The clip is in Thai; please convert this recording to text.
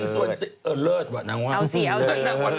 เสร็จหนึ่งส่วนสี่เออเลิศว่ะนางวันเลิศ